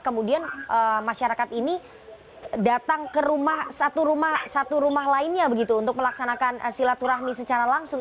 kemudian masyarakat ini datang ke rumah satu rumah lainnya begitu untuk melaksanakan silaturahmi secara langsung